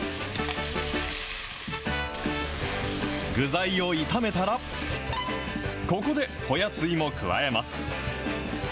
具材を炒めたら、ここでほや水も加えます。